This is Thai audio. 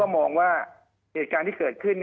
มองว่าเหตุการณ์ที่เกิดขึ้น